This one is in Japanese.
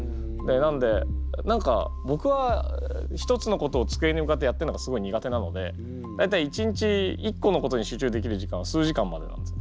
なんで何かぼくは一つのことをつくえに向かってやってるのがすごい苦手なので大体一日一個のことに集中できる時間は数時間までなんですよ。